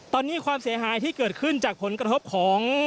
ตอนนี้ความเสียหายที่เกิดขึ้นจากผลกระทบของ